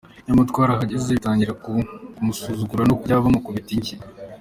Nyamara twarahageze batangira kumusuzugura no kujya bamukubita inshyi.